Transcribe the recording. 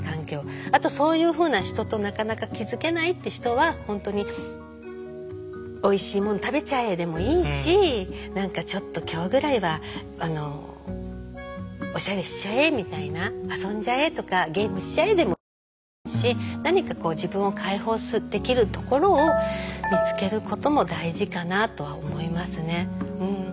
あとそういうふうな人となかなか築けないって人は本当に「おいしいもの食べちゃえ」でもいいし「何かちょっと今日ぐらいはおしゃれしちゃえ」みたいな「遊んじゃえ」とか「ゲームしちゃえ」でもいいと思うし何かこう自分を解放できるところを見つけることも大事かなとは思いますね。